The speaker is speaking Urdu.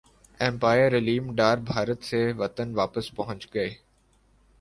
ایمپائر علیم ڈار بھارت سے وطن واپس پہنچ گئے